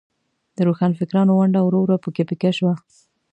د روښانفکرانو ونډه ورو ورو په کې پیکه شوه.